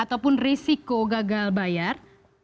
ataupun risiko gagal bayar